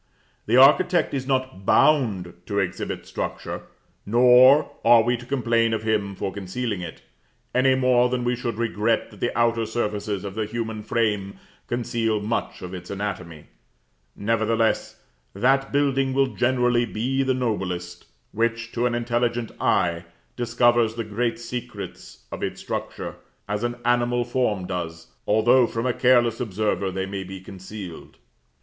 The architect is not bound to exhibit structure; nor are we to complain of him for concealing it, any more than we should regret that the outer surfaces of the human frame conceal much of its anatomy; nevertheless, that building will generally be the noblest, which to an intelligent eye discovers the great secrets of its structure, as an animal form does, although from a careless observer they may be concealed.